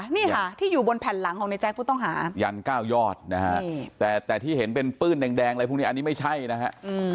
นี่ค่ะที่อยู่บนแผ่นหลังของในแจ๊คผู้ต้องหายัน๙ยอดนะฮะแต่ที่เห็นเป็นปื้นแดงอะไรพวกนี้อันนี้ไม่ใช่นะฮะ